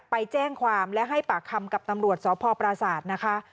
ไปแจ้งความและให้ปากคำกับตำรวจสพปราศาสตร์นะคะ